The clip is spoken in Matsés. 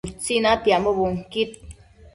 Utsi natiambo bunquid